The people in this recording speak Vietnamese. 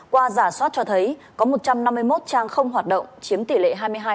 qua giả soát cho thấy có một trăm năm mươi một trang không hoạt động chiếm tỷ lệ hai mươi hai